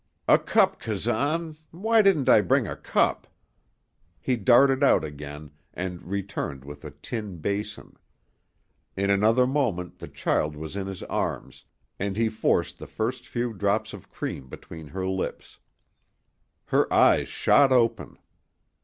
"A cup, Kazan! Why didn't I bring a cup?" He darted out again and returned with a tin basin. In another moment the child was in his arms, and he forced the first few drops of cream between her lips. Her eyes shot open.